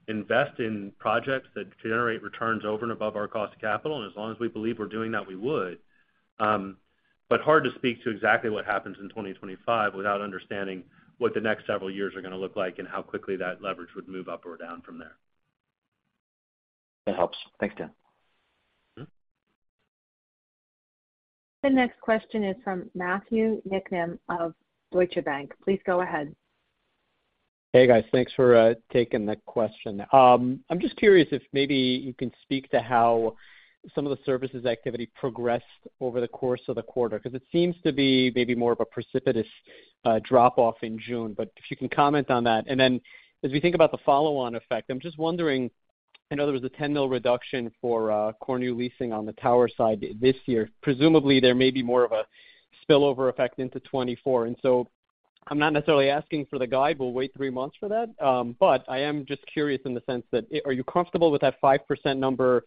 Speaker 4: invest in projects that generate returns over and above our cost of capital. As long as we believe we're doing that, we would. Hard to speak to exactly what happens in 2025 without understanding what the next several years are going to look like and how quickly that leverage would move up or down from there.
Speaker 12: That helps. Thanks, Dan.
Speaker 4: Mm-hmm.
Speaker 1: The next question is from Matthew Niknam of Deutsche Bank. Please go ahead.
Speaker 13: Hey, guys. Thanks for taking the question. I'm just curious if maybe you can speak to how some of the services activity progressed over the course of the quarter, because it seems to be maybe more of a precipitous drop-off in June, but if you can comment on that. Then as we think about the follow-on effect, I'm just wondering, I know there was a $10 million reduction for core new leasing on the tower side this year. Presumably, there may be more of a spillover effect into 2024. So I'm not necessarily asking for the guide, we'll wait three months for that. I am just curious in the sense that, are you comfortable with that 5% number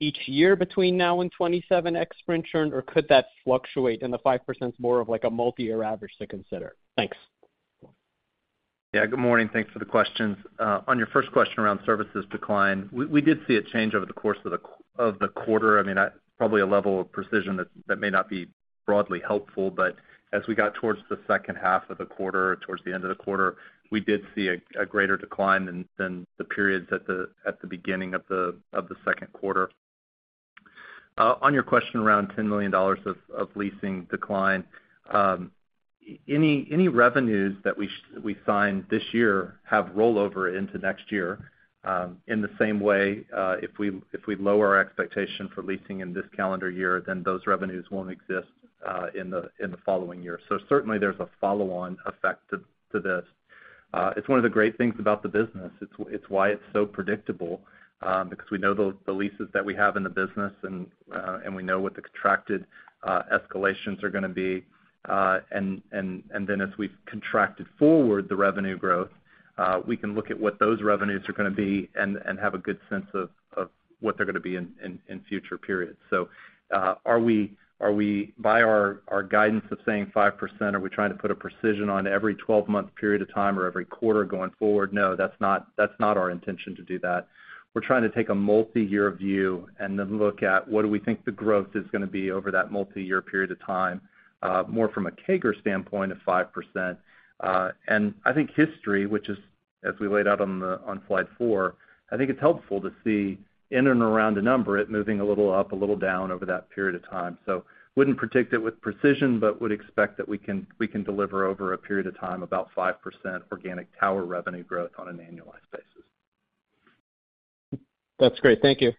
Speaker 13: each year between now and 2027 ex-Sprint churn, or could that fluctuate, and the 5% is more of like a multi-year average to consider? Thanks.
Speaker 3: Yeah. Good morning. Thanks for the questions. On your first question around services decline, we did see a change over the course of the quarter. I mean, at probably a level of precision that may not be broadly helpful, but as we got towards the second half of the quarter, towards the end of the quarter, we did see a greater decline than the periods at the beginning of the second quarter. On your question around $10 million of leasing decline, any revenues that we sign this year have rollover into next year. In the same way, if we lower our expectation for leasing in this calendar year, then those revenues won't exist in the following year. Certainly, there's a follow-on effect to this. It's one of the great things about the business. It's why it's so predictable, because we know the leases that we have in the business, and we know what the contracted escalations are going to be. As we've contracted forward the revenue growth, we can look at what those revenues are going to be and have a good sense of what they're going to be in future periods. Are we, by our guidance of saying 5%, are we trying to put a precision on every 12-month period of time or every quarter going forward? No, that's not our intention to do that. We're trying to take a multi-year view and then look at what do we think the growth is going to be over that multi-year period of time, more from a CAGR standpoint of 5%. I think history, which is, as we laid out on Slide 4, I think it's helpful to see in and around a number, it moving a little up, a little down over that period of time. Wouldn't predict it with precision, but would expect that we can deliver over a period of time about 5% organic tower revenue growth on an annualized basis.
Speaker 13: That's great. Thank you.
Speaker 3: You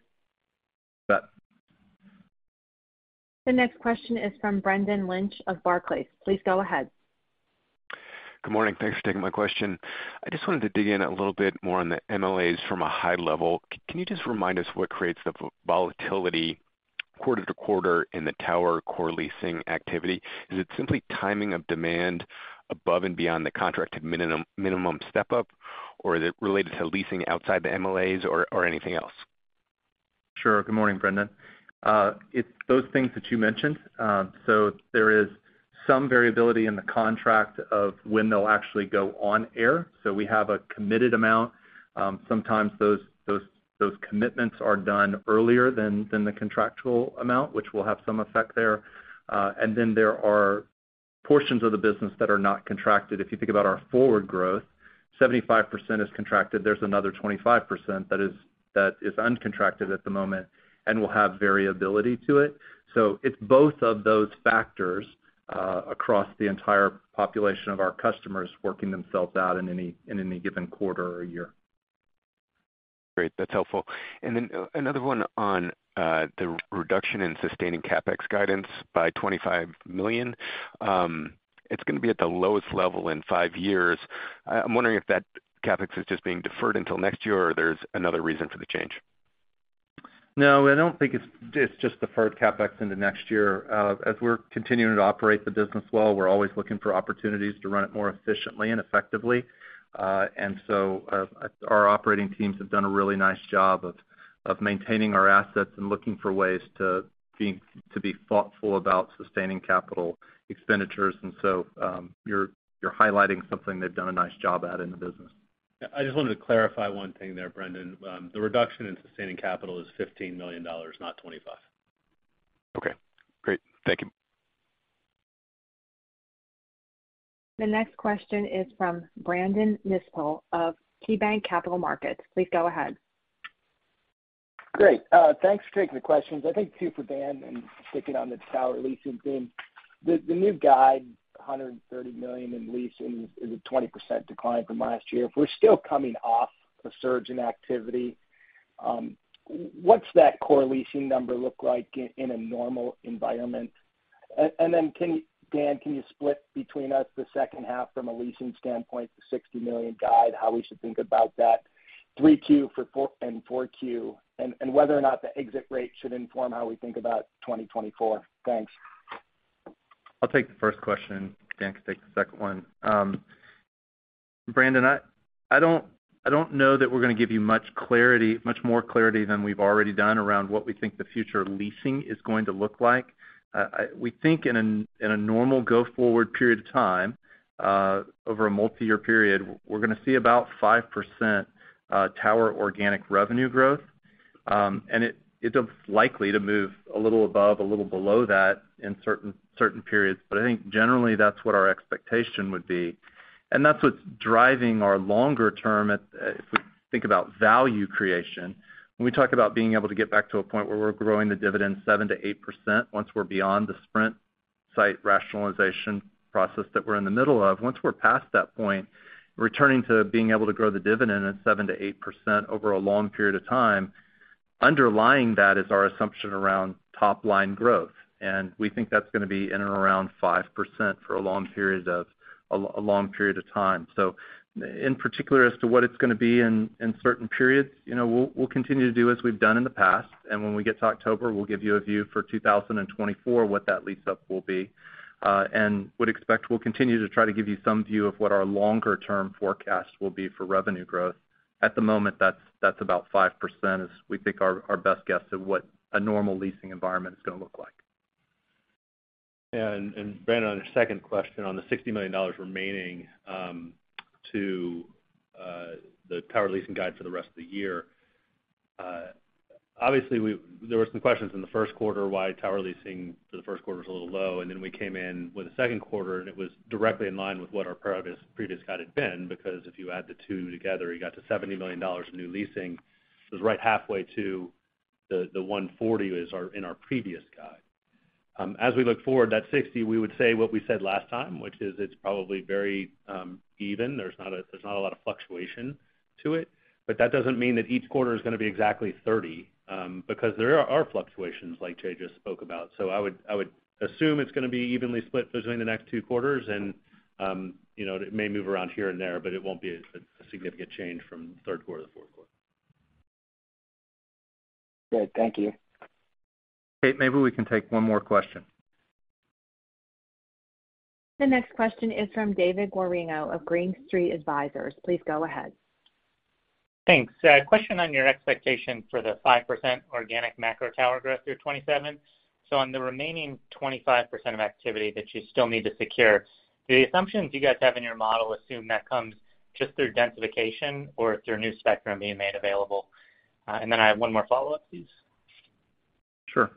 Speaker 3: bet.
Speaker 1: The next question is from Brendan Lynch of Barclays. Please go ahead.
Speaker 14: Good morning. Thanks for taking my question. I just wanted to dig in a little bit more on the MLAs from a high level. Can you just remind us what creates the volatility quarter to quarter in the tower core leasing activity? Is it simply timing of demand above and beyond the contracted minimum step-up, or is it related to leasing outside the MLAs or anything else?
Speaker 3: Sure. Good morning, Brendan. It's those things that you mentioned. There is some variability in the contract of when they'll actually go on air. We have a committed amount. Sometimes those commitments are done earlier than the contractual amount, which will have some effect there. There are portions of the business that are not contracted. If you think about our forward growth, 75% is contracted. There's another 25% that is uncontracted at the moment and will have variability to it. It's both of those factors, across the entire population of our customers working themselves out in any given quarter or year.
Speaker 14: Great, that's helpful. Another one on the reduction in sustaining CapEx guidance by $25 million. It's going to be at the lowest level in five years. I'm wondering if that CapEx is just being deferred until next year, or there's another reason for the change.
Speaker 3: I don't think it's just deferred CapEx into next year. As we're continuing to operate the business well, we're always looking for opportunities to run it more efficiently and effectively. Our operating teams have done a really nice job of maintaining our assets and looking for ways to be thoughtful about sustaining capital expenditures. You're highlighting something they've done a nice job at in the business.
Speaker 4: I just wanted to clarify one thing there, Brendan. The reduction in sustaining capital is $15 million, not 25.
Speaker 14: Okay, great. Thank you.
Speaker 1: The next question is from Brandon Nispel of KeyBanc Capital Markets. Please go ahead.
Speaker 15: Great. Thanks for taking the questions. I think two for Dan and sticking on the tower leasing theme. The new guide, $130 million in leasing, is a 20% decline from last year. If we're still coming off a surge in activity, what's that core leasing number look like in a normal environment? Then Dan, can you split between us the second half from a leasing standpoint, the $60 million guide, how we should think about that 3Q and 4Q, and whether or not the exit rate should inform how we think about 2024? Thanks.
Speaker 3: I'll take the first question. Dan can take the second one. Brandon, I don't know that we're going to give you much clarity, much more clarity than we've already done around what we think the future leasing is going to look like. We think in a normal go-forward period of time, over a multi-year period, we're going to see about 5% tower organic revenue growth. And it is likely to move a little above, a little below that in certain periods. I think generally, that's what our expectation would be, and that's what's driving our longer term, if we think about value creation. When we talk about being able to get back to a point where we're growing the dividend 7% to 8%, once we're beyond the Sprint site rationalization process that we're in the middle of. Once we're past that point, returning to being able to grow the dividend at 7% to 8% over a long period of time, underlying that is our assumption around top-line growth. We think that's going to be in and around 5% for a long period of, a long period of time. In particular, as to what it's going to be in certain periods, you know, we'll continue to do as we've done in the past. When we get to October, we'll give you a view for 2024, what that lease-up will be. Would expect we'll continue to try to give you some view of what our longer-term forecast will be for revenue growth. At the moment, that's about 5%, is we think our best guess of what a normal leasing environment is going to look like.
Speaker 4: Brandon, on your second question, on the $60 million remaining, to the tower leasing guide for the rest of the year. Obviously, there were some questions in the first quarter why tower leasing for the first quarter was a little low, and then we came in with the second quarter, and it was directly in line with what our previous guide had been. If you add the two together, you got to $70 million of new leasing. It was right halfway to the 140 is in our previous guide. As we look forward, that 60, we would say what we said last time, which is it's probably very even. There's not a lot of fluctuation to it, but that doesn't mean that each quarter is going to be exactly 30, because there are fluctuations, like Jay just spoke about. I would assume it's going to be evenly split between the next two quarters, and, you know, it may move around here and there, but it won't be a significant change from third quarter to fourth quarter.
Speaker 15: Good. Thank you.
Speaker 3: Kate, maybe we can take one more question.
Speaker 1: The next question is from David Guarino of Green Street Advisors. Please go ahead.
Speaker 16: Thanks. A question on your expectation for the 5% organic macro tower growth through 2027. On the remaining 25% of activity that you still need to secure, the assumptions you guys have in your model assume that comes just through densification or through new spectrum being made available? Then I have one more follow-up, please.
Speaker 3: Sure.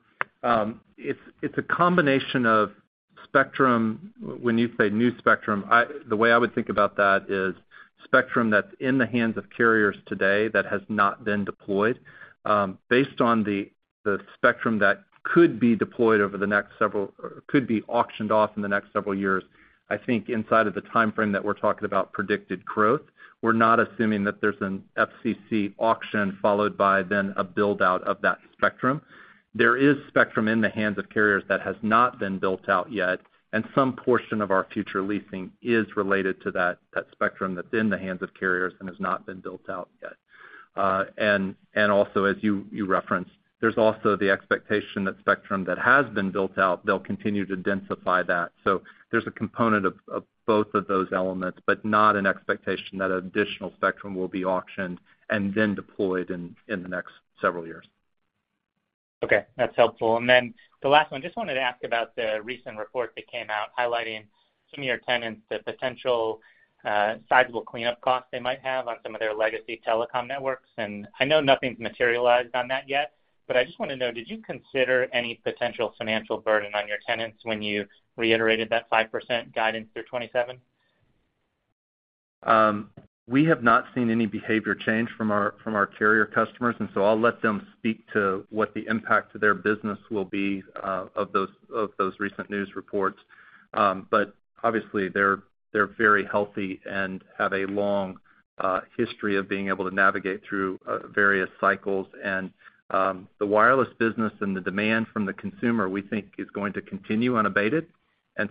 Speaker 3: It's a combination of spectrum. When you say new spectrum, the way I would think about that is spectrum that's in the hands of carriers today that has not been deployed. Based on the spectrum that could be auctioned off in the next several years, I think inside of the timeframe that we're talking about predicted growth, we're not assuming that there's an FCC auction, followed by then a build-out of that spectrum. There is spectrum in the hands of carriers that has not been built out yet, and some portion of our future leasing is related to that spectrum that's in the hands of carriers and has not been built out yet. Also, as you referenced, there's also the expectation that spectrum that has been built out, they'll continue to densify that. There's a component of both of those elements, but not an expectation that additional spectrum will be auctioned and then deployed in the next several years.
Speaker 16: Okay, that's helpful. The last one, just wanted to ask about the recent report that came out highlighting some of your tenants, the potential, sizable cleanup costs they might have on some of their legacy telecom networks. I know nothing's materialized on that yet, but I just want to know, did you consider any potential financial burden on your tenants when you reiterated that 5% guidance through 2027?
Speaker 3: We have not seen any behavior change from our carrier customers. I'll let them speak to what the impact to their business will be of those recent news reports. Obviously, they're very healthy and have a long history of being able to navigate through various cycles. The wireless business and the demand from the consumer, we think is going to continue unabated.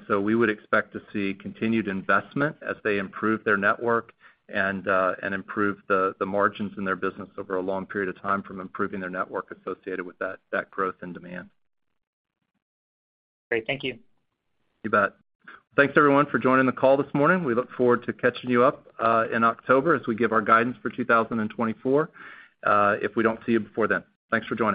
Speaker 3: We would expect to see continued investment as they improve their network and improve the margins in their business over a long period of time from improving their network associated with that growth and demand.
Speaker 16: Great. Thank you.
Speaker 3: You bet. Thanks, everyone, for joining the call this morning. We look forward to catching you up, in October, as we give our guidance for 2024, if we don't see you before then. Thanks for joining.